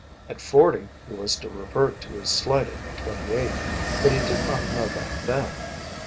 At forty he was to revert to his slighted twenty eight, but he did not know that then.